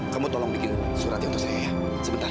kamu tolong bikin suratnya untuk saya ya